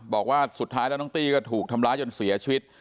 บอกสุดท้ายได้อ้างว่าน้องตีก็ถูกทำล้าจนเสียชีวิต